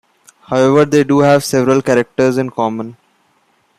However, they do have several characters in common.